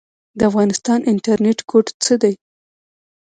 د افغانستان انټرنیټ کوډ څه دی؟